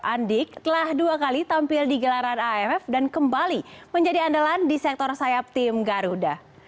andik telah dua kali tampil di gelaran aff dan kembali menjadi andalan di sektor sayap tim garuda